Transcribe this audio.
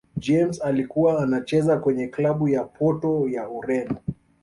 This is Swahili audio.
james alikuwa anacheza kwenye klabu ya porto ya ureno